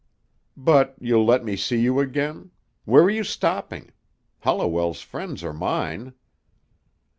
"But you'll let me see you again? Where are you stopping? Holliwell's friends are mine."